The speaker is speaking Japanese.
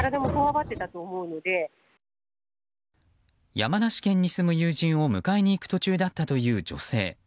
山梨県に住む友人を迎えに行く途中だったという女性。